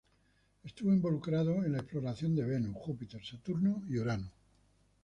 Estuvo involucrado en la exploración de Venus, Júpiter, Saturno y Urano.